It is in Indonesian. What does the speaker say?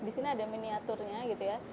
di sini ada miniaturnya gitu ya